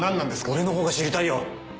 俺の方が知りたいよ。